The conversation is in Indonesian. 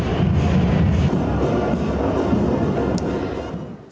kepolisian terpaksa menembakkan gas air mata dan juga peluru karet